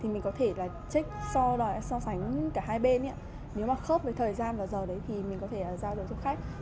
mình có thể so sánh cả hai bên nếu mà khớp với thời gian và giờ thì mình có thể giao dịch cho khách